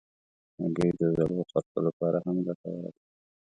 هګۍ د زړو خلکو لپاره هم ګټوره ده.